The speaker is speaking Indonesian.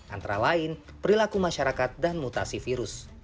antara lain perilaku masyarakat dan mutasi virus